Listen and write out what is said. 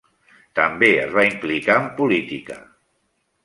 També es va implicar en política.